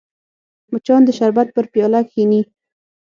مچان د شربت پر پیاله کښېني